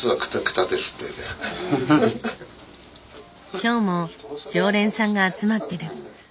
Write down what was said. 今日も常連さんが集まってる。